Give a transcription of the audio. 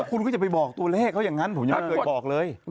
แล้วคุณก็จะไปบอกตัวแรกเขายังงั้นผมยังไม่เคยบอกเลย